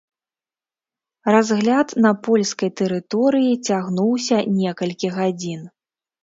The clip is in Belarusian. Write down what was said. Разгляд на польскай тэрыторыі цягнуўся некалькі гадзін.